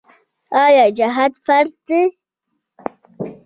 آیا جهاد فرض دی؟